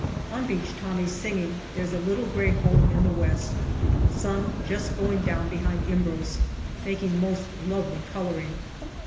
On beach Tommies singing " There's a Little Grey Home in the West." Sun just going down behind Imbros, making most lovely colouring.